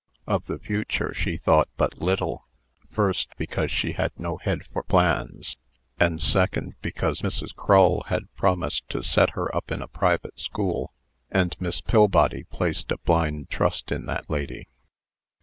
Of the future she thought but little; first, because she had no head for plans; and second, because Mrs. Crull had promised to set her up in a private school; and Miss Pillbody placed a blind trust in that lady.